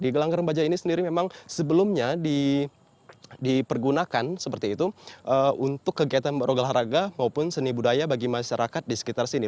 di gelanggar mbaja ini sendiri memang sebelumnya dipergunakan seperti itu untuk kegiatan rogla harga maupun seni budaya bagi masyarakat di sekitar sini